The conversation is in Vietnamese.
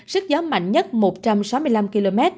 sức gió mạnh nhất một trăm sáu mươi năm km